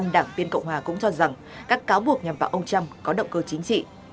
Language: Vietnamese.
tám mươi một đảng viên cộng hòa cũng cho rằng các cáo buộc nhằm vào ông trump có động cơ chính trị